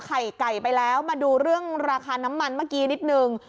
ไข่ไก่ไปแล้วมาดูเรื่องราคาน้ำมันเมื่อกี้นิดนึง